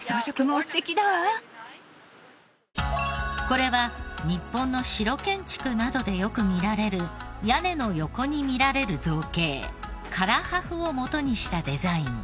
これは日本の城建築などでよく見られる屋根の横に見られる造形唐破風をもとにしたデザイン。